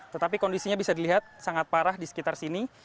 tetapi kondisinya bisa dilihat sangat parah di sekitar sini